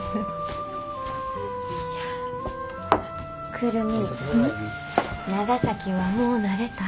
久留美長崎はもう慣れた？